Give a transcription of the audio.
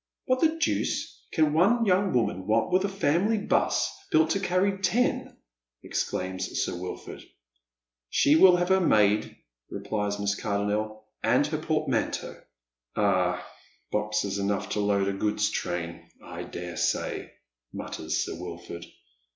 " What the dooce can one j'oung woman want with a family bus, built to carry ten ?" exclaims Sir Wilford. " She will have her maid," replies Miss Cardonnel, " and hw pDrtmanteaux." " Ah, boxes enough to load a goods train, I dare say," mutters Sir Wilford.